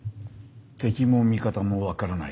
敵も味方も分からない。